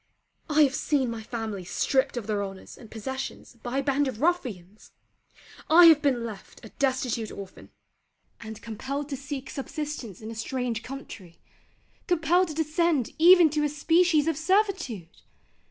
I have seen my family stripped of their honours and possessions by a band of ruffians. I have been left a destitute orphan: and compelled to seek subsistence in a strange country: compelled to descend even to a species of servitude!